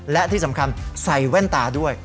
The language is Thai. และที่สำคัญใส่แว่นตาด้วย